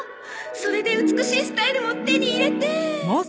それで美しいスタイルも手に入れて。